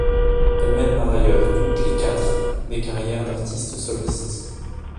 Elles mènent par ailleurs toutes les quatre des carrières d'artistes solistes.